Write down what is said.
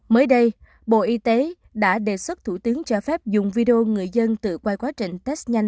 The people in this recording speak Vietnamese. mới đây bộ y tế đã đề xuất thủ tướng cho phép dùng video người dân tự quay quá trình test nhanh